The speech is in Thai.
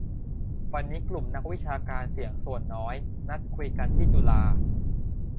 วันนี้กลุ่มนักวิชาการ"เสียงส่วนน้อย" นัดคุยกันที่จุฬา